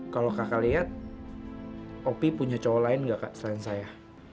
kalau kakak lihat opi punya cowok lain nggak kak selain saya